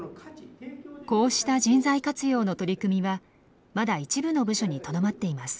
こうした人材活用の取り組みはまだ一部の部署にとどまっています。